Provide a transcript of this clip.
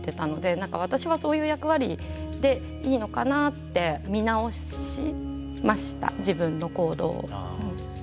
なんか私はそういう役割でいいのかなって見直しました自分の行動を。